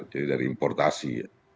jadi dari importasi